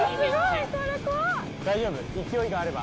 大丈夫勢いがあれば。